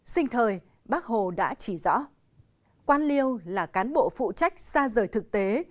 sinh thời bác hồ đã chỉ rõ quan liêu là cán bộ phụ trách xa rời thực tế